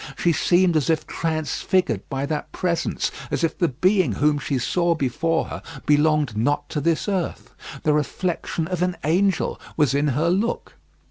She seemed as if transfigured by that presence; as if the being whom she saw before her belonged not to this earth. The reflection of an angel was in her look.